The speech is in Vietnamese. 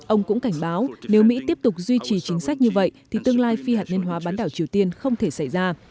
ông cũng cảnh báo nếu mỹ tiếp tục duy trì chính sách như vậy thì tương lai phi hạt nhân hóa bán đảo triều tiên không thể xảy ra